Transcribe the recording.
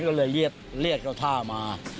ก็เลยเรียบเลือดเต้าทามา